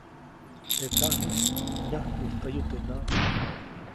Teʼ tsaʼnis nyäjkwijtäyu teʼ näʼ.